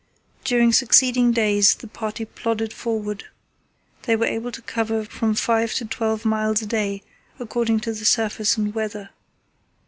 During succeeding days the party plodded forward. They were able to cover from five to twelve miles a day, according to the surface and weather.